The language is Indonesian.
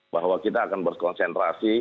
bahwa kita akan berkonsentrasi